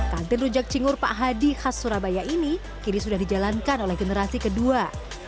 kantin rujak cingur pak hadi khas surabaya ini kini sudah dijalankan oleh generasi kedua